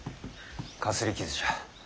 かすり傷じゃ。